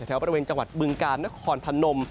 แถวบริเวณจังหวัดบึงกาลนครพนม